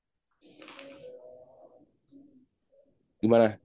kalau dari gue sih mungkin yang terakhir